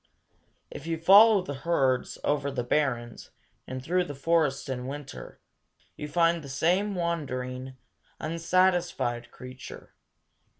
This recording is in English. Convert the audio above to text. If you follow the herds over the barrens and through the forest in winter, you find the same wandering, unsatisfied creature.